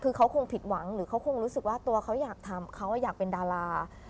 คือเขาคงผิดหวังหรือเขาคงรู้สึกว่าตัวเขาอยากทำเขาอยากเป็นดารา